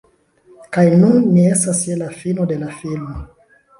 Kaj nun ni estas je la fino de la filmo